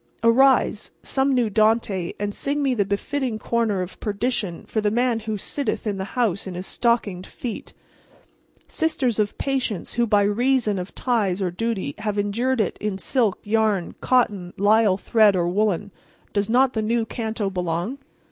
Arise, some new Dante, and sing me the befitting corner of perdition for the man who sitteth in the house in his stockinged feet. Sisters of Patience who by reason of ties or duty have endured it in silk, yarn, cotton, lisle thread or woollen—does not the new canto belong?